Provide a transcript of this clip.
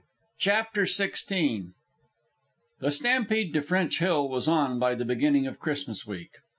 CHAPTER XVI The stampede to French Hill was on by the beginning of Christmas week.